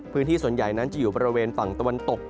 พื้นที่ส่วนใหญ่นั้นจะอยู่บริเวณฝั่งตะวันตก